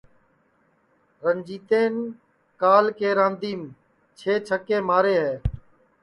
رنجیتین کال کے راندیم چھے چھکے مارے ہے